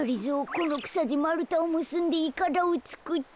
このくさでまるたをむすんでいかだをつくって。